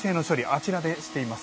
あちらでしています。